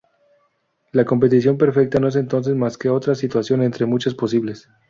La competencia perfecta no es entonces más que otra situación entre muchas posibles.